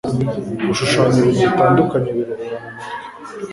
gushushanya ibintu bitandukanye biruhura mu umutwe